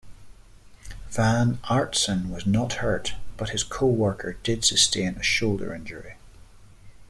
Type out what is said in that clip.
Van Aartsen was not hurt but the co-worker did sustain a shoulder injury.